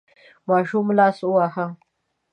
ماشوم لاس وواهه.